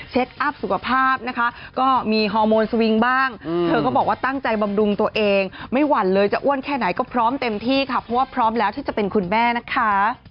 อัพสุขภาพนะคะก็มีฮอร์โมนสวิงบ้างเธอก็บอกว่าตั้งใจบำรุงตัวเองไม่หวั่นเลยจะอ้วนแค่ไหนก็พร้อมเต็มที่ค่ะเพราะว่าพร้อมแล้วที่จะเป็นคุณแม่นะคะ